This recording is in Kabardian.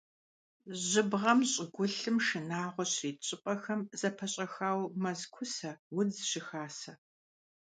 Жьыбгъэм щӀыгулъым шынагъуэ щрит щӀыпӀэхэм зэпэщӀэхаурэ мэз кусэ удз щыхасэ.